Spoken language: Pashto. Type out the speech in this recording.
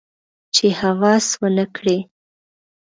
چې هوس ونه کړي